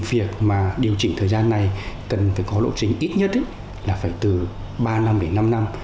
việc mà điều chỉnh thời gian này cần phải có lộ trình ít nhất là phải từ ba năm đến năm năm